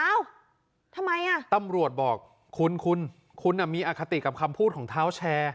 อ้าวทำไมตำรวจบอกคุณคุณคุณมีอคติกับคำพูดของท้าวแชร์